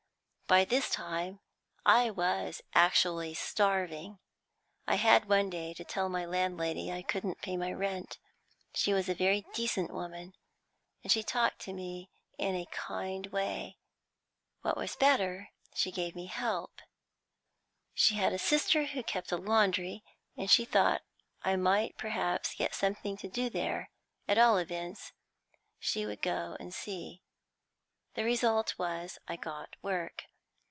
"By this time I was actually starving. I had one day to tell my landlady I couldn't pay my rent. She was a very decent woman, and she talked to me in a kind way. What was better, she gave me help. She had a sister who kept a laundry, and she thought I might perhaps get something to do there; at all events she would go and see. The result was I got work.